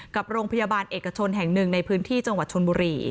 กับโรงพยาบาลเอกชนแห่งหนึ่งในพื้นที่จังหวัดชนบุรี